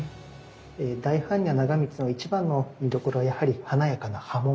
大般若長光の一番の見どころはやはり華やかな刃文。